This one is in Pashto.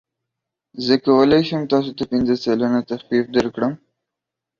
زه کولی شم تاسو ته پنځه سلنه تخفیف درکړم.